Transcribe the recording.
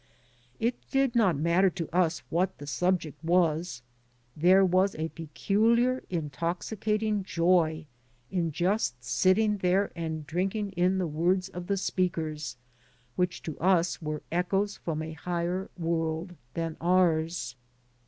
It did not matter to us what the subject was. There was a peculiar, intoxicating joy in just sitting there and drink ing in the words of the speakers, which to us were echoes from a higher world than ours.